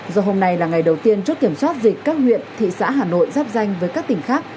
do hôm nay là ngày đầu tiên chốt kiểm soát dịch các huyện thị xã hà nội giáp danh với các tỉnh khác